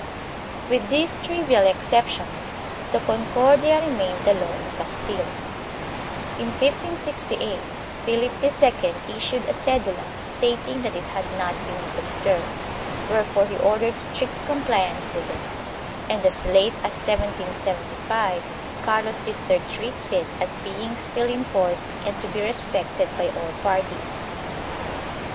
With these trivial exceptions the Concordia remained the law in Castile. In 1568 Philip II issued a cedula stating that it had not been observed, wherefore he ordered strict compliance with it and, as late as 1775 Carlos III treats it as being still in force and to be respected by all parties.